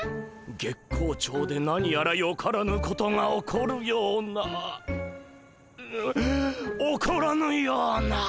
月光町で何やらよからぬことが起こるような起こらぬような。